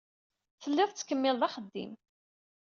Telliḍ tettkemmileḍ axeddim.